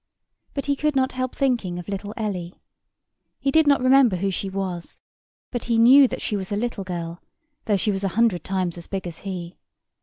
But he could not help thinking of little Ellie. He did not remember who she was; but he knew that she was a little girl, though she was a hundred times as big as he.